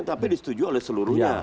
tapi disetujui oleh seluruhnya